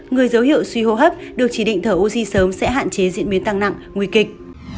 người dấu hiệu suy hô hấp được chỉ định thở oxy sớm sẽ hạn chế diễn biến tăng nặng nguy kịch